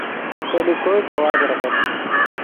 تو لے کوئی سوا دریغت